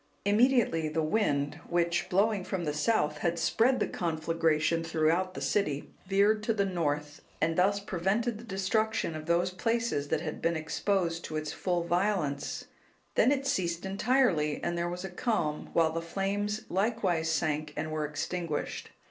Immediately the wind, which blowing from the south had spread the conflagration throughout the city, veered to the north, and thus prevented the destruction of those places that had been exposed to its full violence, then it ceased entirely and there was a calm, while the flames likewise sank and were extinguished.